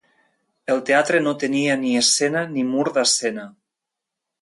El teatre no tenia ni escena ni mur d'escena.